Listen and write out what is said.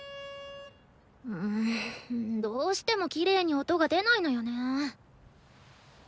んどうしてもきれいに音が出ないのよねぇ。